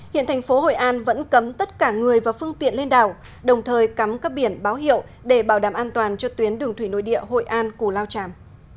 hiện thành phố hội an vẫn cấm tất cả người và phương tiện lên đảo đồng thời cắm các biển báo hiệu để bảo đảm an toàn cho tuyến đường thủy nội địa hội an cù lao tràm